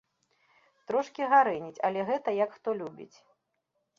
Трошкі гарэніць, але гэта як хто любіць.